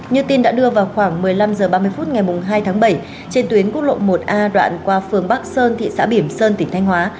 như tin đã đưa vào khoảng một mươi năm h ba mươi phút ngày hai tháng bảy trên tuyến quốc lộ một a đoạn qua phường bắc sơn thị xã bỉm sơn tỉnh thanh hóa